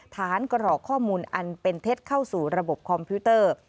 กรอกข้อมูลอันเป็นเท็จเข้าสู่ระบบคอมพิวเตอร์